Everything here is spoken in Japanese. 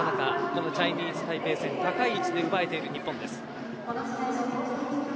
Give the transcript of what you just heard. このチャイニーズタイペイ戦高い位置で奪えている日本です。